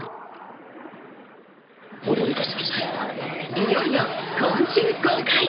いよいよ今週公開。